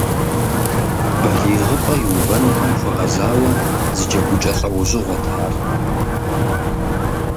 Балигъыпӏэ иувэнухэм хуэгъэзауэ зы джэгукӀэ лӀэужьыгъуэт ар.